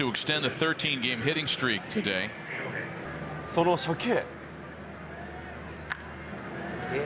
その初球。